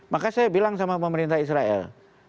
maka saya bilang sama pemerintah israel